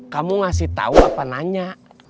kamu ngasih tahu apa nanya